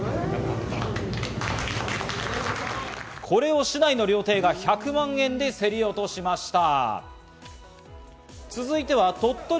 これを市内の料亭が１００万円で競り落としました。